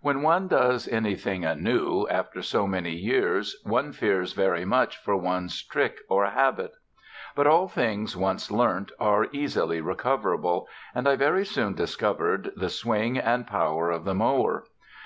When one does anything anew, after so many years, one fears very much for one's trick or habit. But all things once learnt are easily recoverable, and I very soon recovered the swing and power of the mower.